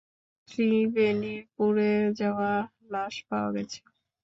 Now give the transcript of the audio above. ত্রিভেনির পুড়ে যাওয়া লাশ পাওয়া গেছে।